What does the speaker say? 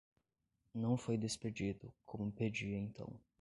Não foi despedido, como pedia então;